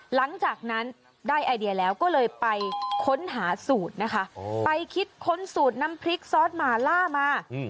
หลังจากนั้นได้ไอเดียแล้วก็เลยไปค้นหาสูตรนะคะไปคิดค้นสูตรน้ำพริกซอสหมาล่ามา